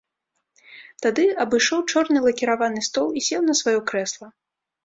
Тады абышоў чорны лакіраваны стол і сеў на сваё крэсла.